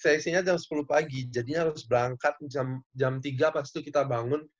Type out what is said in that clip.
seleksinya jam sepuluh pagi jadinya harus berangkat jam tiga pas itu kita bangun